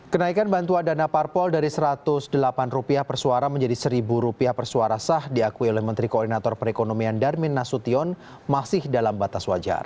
kenaikan bantuan dana parpol dari rp satu ratus delapan per suara menjadi rp satu per suara sah diakui oleh menteri koordinator perekonomian darmin nasution masih dalam batas wajar